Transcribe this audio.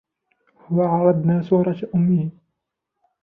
هو عرضنا صورةً أمه.